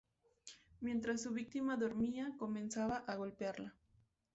Mientras su víctima dormía comenzaba a golpearla.